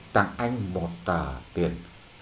tặng anh một tiền